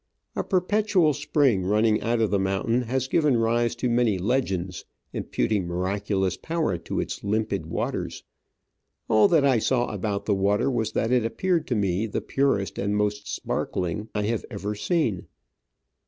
A perpetual spring run Digitized by VjOOQIC 138 Travels and Adventures ning out of the mountain has given rise to many legends, imputing miraculous power to its limpid waters. All that I saw about the water was that it appeared to me the purest and most sparkling I have ever seen.